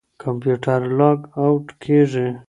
کمپيوټر لاګ آوټ کېږي.